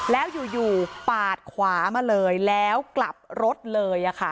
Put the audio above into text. แล้วอยู่ปาดขวามาเลยแล้วกลับรถเลย